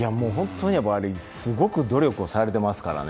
すごく努力をされていますからね。